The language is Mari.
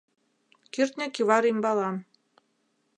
Кӱртньӧ кӱвар ӱмбалан